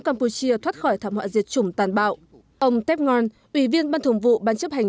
campuchia thoát khỏi thảm họa diệt chủng tàn bạo ông tép ngon ủy viên ban thường vụ ban chấp hành